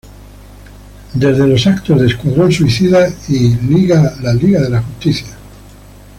Desde los eventos de "Escuadrón Suicida" y "Justice League".